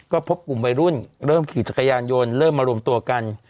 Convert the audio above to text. ก็พบกลุ่มวัยรุ่นเริ่มขี่จักรยานยนต์เริ่มมารวมตัวกัน